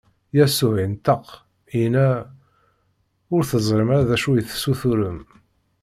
Yasuɛ inṭeq, inna: Ur teẓrim ara d acu i tessuturem!